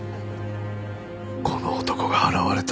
この男が現れた。